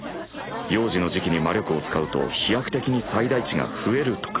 幼児の時期に魔力を使うと飛躍的に最大値が増えるとか。